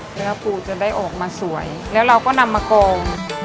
เนื้อปูจนได้ออกมาสวยแล้วเราก็นำมากอง